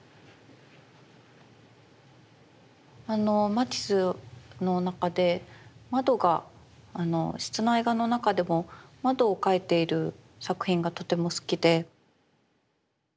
マティスの中で窓が室内画の中でも窓を描いている作品がとても好きで。